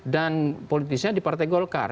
dan politisnya di partai golkar